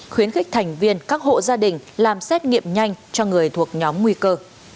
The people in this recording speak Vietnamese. khuyến khích thành viên các hộ gia đình làm xét nghiệm nhanh cho người thuộc nhóm nguy cơ